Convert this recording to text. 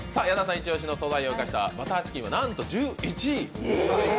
イチ押しの素材を生かしたバターチキンはなんと１１位。